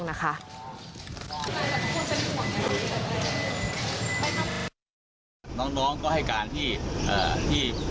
เมื่อวานแบงค์อยู่ไหนเมื่อวาน